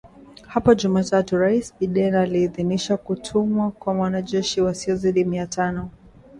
Hapo Jumatatu Raisi Biden aliidhinisha kutumwa kwa wanajeshi wasiozidi mia tano